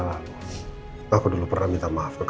lo yang biasa leperin kok